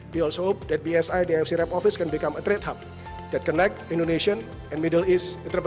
kami juga berharap bumn dan dfi rep office bisa menjadi hub perdagangan yang berhubungan dengan pembelajaran indonesia dan tengah tengah